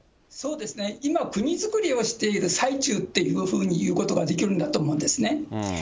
そうですね、今、国造りをしている最中っていうふうにいうことができるんだと思うんですね。